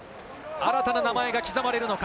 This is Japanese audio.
新たな名前が刻まれるのか。